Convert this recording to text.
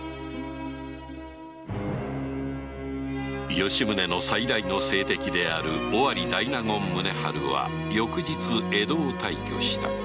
吉宗の最大の政敵である尾張大納言宗春は翌日江戸を退去した。